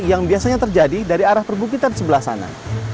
yang biasanya terjadi dari arah perbukitan di sebelah sana